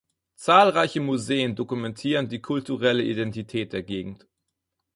Zahlreiche Museen dokumentieren die kulturelle Identität der Gegend.